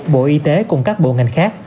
bộ y tế cùng các bộ ngành khác